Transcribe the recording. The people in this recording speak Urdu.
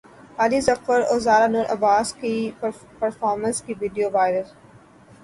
علی ظفر اور زارا نور عباس کی پرفارمنس کی ویڈیو وائرل